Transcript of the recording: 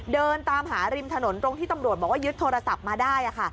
เดินตามหาริมถนนตรงที่ตำรวจบอกว่ายึดโทรศัพท์มาได้